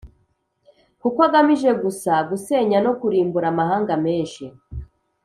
kuko agamije gusa gusenya no kurimbura amahanga menshi.